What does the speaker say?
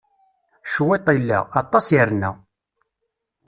Cwiṭ illa, aṭas irna.